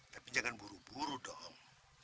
tapi jangan buru buru dong